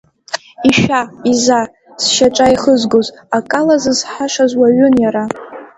Ишәа-иза зшьаҿа еихызгоз, акала зызҳашаз уаҩын иара.